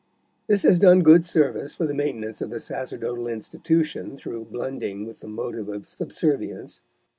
This has done good service for the maintenance of the sacerdotal institution through blending with the motive of subservience.